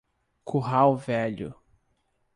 Curral Velho